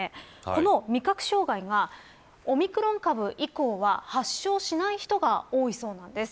この味覚障害がオミクロン株以降は発症しない人が多いそうなんです。